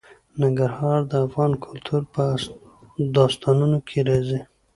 ننګرهار د افغان کلتور په داستانونو کې راځي.